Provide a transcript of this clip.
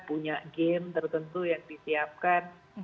punya game tertentu yang disiapkan